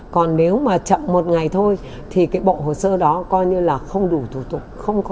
còn nếu mà chậm một ngày thôi thì cái bộ hồ sơ đó coi như là không đủ thủ tục không có